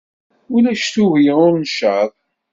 Ulac tuggi ur ncaḍ.